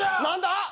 何だ？